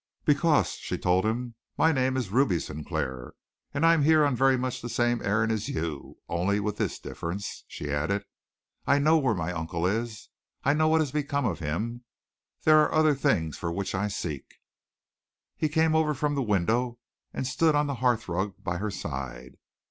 "Because," she told him, "my name is Ruby Sinclair, and I am here on very much the same errand as you, only with this difference," she added, "I know where my uncle is. I know what has become of him. There are other things for which I seek." He came over from the window, and stood on the hearthrug by her side.